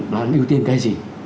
đang ưu tiên cái gì